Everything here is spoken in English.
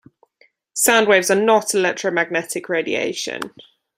Soundwaves are not electromagnetic radiation.